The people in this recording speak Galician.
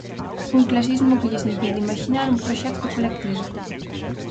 Un clasismo que lles impide imaxinar un proxecto colectivo.